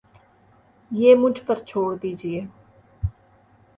یہ مجھ پر چھوڑ دیجئے